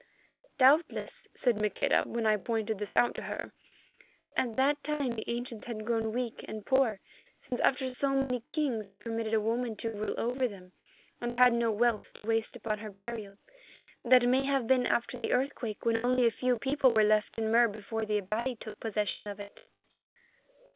"Doubtless," said Maqueda, when I pointed this out to her, "at that time the ancients had grown weak and poor, since after so many kings they permitted a woman to rule over them and had no wealth to waste upon her burial. That may have been after the earthquake, when only a few people were left in Mur before the Abati took possession of it."